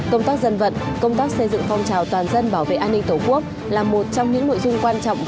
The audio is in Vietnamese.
công tác dân vận công tác xây dựng phong trào toàn dân bảo vệ an ninh tổ quốc là một trong những nội dung quan trọng